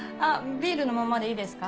ビールのままでいいですか？